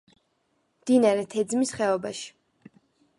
მდინარე თეძმის ხეობაში.